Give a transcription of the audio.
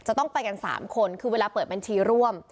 จะต้องไปกัน๓คนคือเวลาเปิดบัญชีร่วม